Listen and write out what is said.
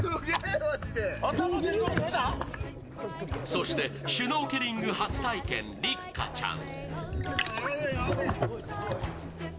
そしてシュノーケリング初体験六花ちゃん。